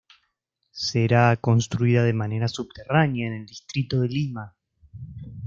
Será construida de manera subterránea en el distrito de Lima.